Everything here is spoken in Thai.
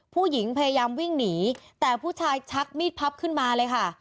ผู้หญิงพยายามวิ่งหนีแต่ผู้ชายชักมีดพับขึ้นมาเลยค่ะ